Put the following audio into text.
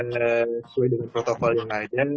sesuai dengan protokol yang ada